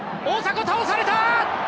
大迫、倒された！